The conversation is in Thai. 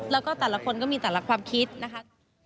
แล้วก็แต่ละคนก็มีแต่ละความคิดนะคะ